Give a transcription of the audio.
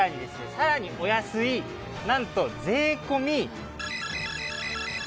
さらにお安いなんと税込円で。